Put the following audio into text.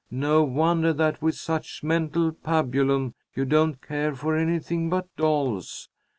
No wonder that, with such mental pabulum, you don't care for anything but dolls!